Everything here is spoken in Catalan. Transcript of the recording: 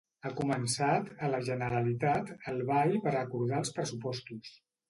Ha començat, a la Generalitat, el ball per acordar els pressupostos.